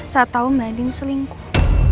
saat tau mbak adin selingkuh